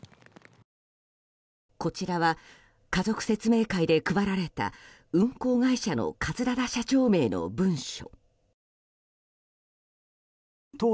こちらは家族説明会で配られた運航会社の桂田精一社長名の文書。